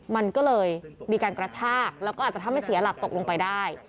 มันก็เลยมีการกระชากแล้วก็อาจจะทำให้เสียหลักตกลงไปได้